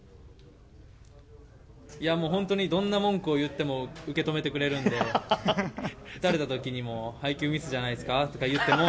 もう、本当にどんな文句を言っても、受け止めてくれるんで、だれたときにも配球ミスじゃないですか？とか言っても。